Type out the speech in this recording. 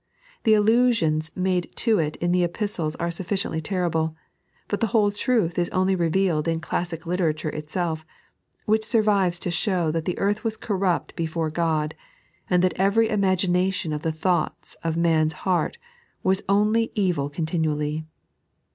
The allusions made to it in the Epistles are sufficiently terrible, but the whole truth is only revealed in classic literature iteelf, which survives to show that the earth was corrupt before Qod, and that every ima^ation of the thoughts of man's heart was only evil continually.